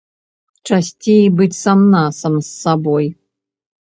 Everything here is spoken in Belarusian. Часцей быць сам-насам з сабой.